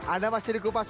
anda masih dikupas